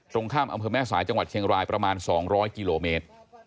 ตรงข้ามอำเภอแม่สายจังหวัดเชียงรายประมาณ๒๐๐กิโลเมตร